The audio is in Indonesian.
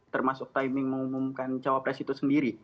termasuk timing mengumumkan cawapres itu sendiri